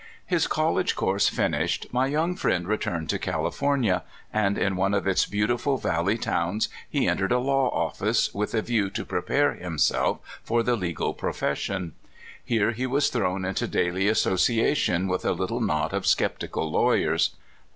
His college course finished, my young friend re turned to California, and in one of its beautiful valley towns he entered a law office, with a view THE REBLOOMING. 65 to prepare himself for the legal profession. Here he was thrown into daily association with a little knot of skeptical lawyers.